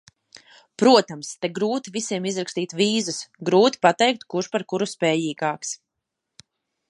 Protams, te grūti visiem izrakstīt vīzas, grūti pateikt, kurš par kuru spējīgāks.